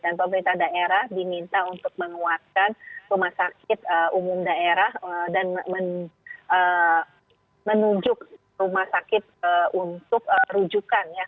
dan pemerintah daerah diminta untuk menguatkan rumah sakit umum daerah dan menunjuk rumah sakit untuk rujukan ya